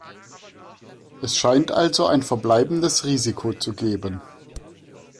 Es scheint also ein verbleibendes Risiko zu geben.